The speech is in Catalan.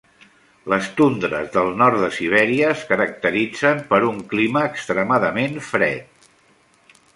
Les tundres del nord de Sibèria es caracteritzen per un clima extremadament fred.